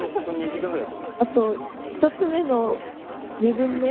あと１つ目の２文目。